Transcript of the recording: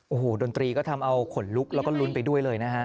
โอ้โหดนตรีก็ทำเอาขนลุกแล้วก็ลุ้นไปด้วยเลยนะฮะ